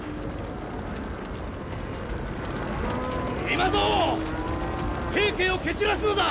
今ぞ！